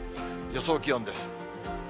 予想気温です。